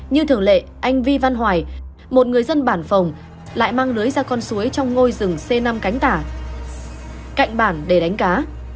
như thường lệ anh vi văn hoài một người dân bản phòng lại mang lưới ra con suối trong ngôi rừng c năm cánh tả cạnh bản để đánh cá